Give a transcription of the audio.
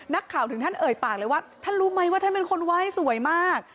ถึงท่านเอ่ยปากเลยว่าท่านรู้ไหมว่าท่านเป็นคนไหว้สวยมาก